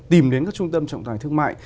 tìm đến các trung tâm trọng tài thương mại